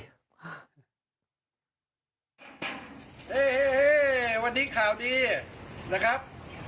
นี่วันนี้ข่าวดีนะครับ